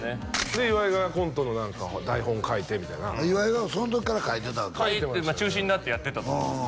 で岩井がコントの何か台本書いてみたいな岩井がその時から書いてたんや書いて中心になってやってたと思います